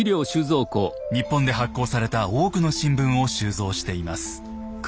日本で発行された多くの新聞を収蔵しています。